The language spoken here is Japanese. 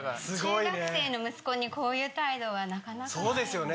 中学生の息子にこういう態度はなかなかないので。